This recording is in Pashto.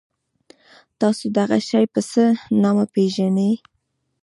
تاسو دغه شی په څه نامه پيژنی؟